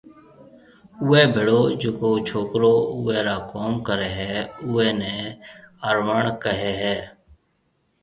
اوئيَ ڀيݪو جڪو ڇوڪرو اوئي را ڪوم ڪريَ ھيََََ اوئيَ ني انون ڪھيََََ ھيََََ